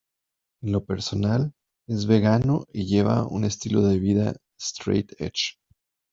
En lo personal, es vegano y lleva un estilo de vida straight edge.